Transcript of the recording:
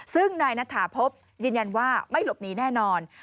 ซึ่งนายนัทถาพบยืนยันว่าไม่หลบหนีแน่นอน